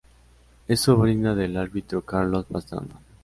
Es sobrina del árbitro Carlos Pastrana.